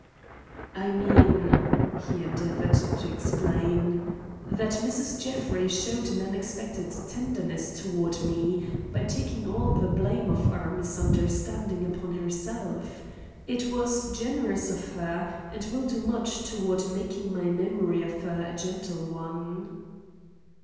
"I mean—" he endeavored to explain, "that Mrs. Jeffrey showed an unexpected tenderness toward me by taking all the blame of our misunderstanding upon herself. It was generous of her and will do much toward making my memory of her a gentle one."